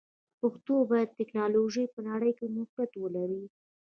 پښتو باید د ټکنالوژۍ په نړۍ کې موقعیت ولري.